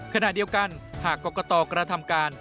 ขณะเดียวกันหากกรกตกระทำการ